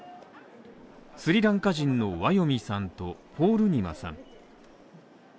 スリランカ人のワヨミさんとポールニマさん